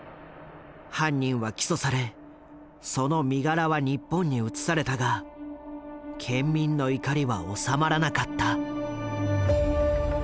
犯人は起訴されその身柄は日本に移されたが県民の怒りは収まらなかった。